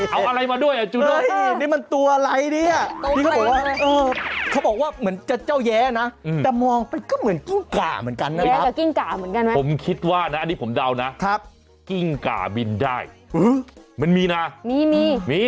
เอาอะไรมาด้วยจูโดะฮะนี่มันตัวอะไรนี่